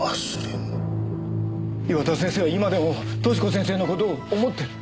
岩田先生は今でも寿子先生の事を思ってる。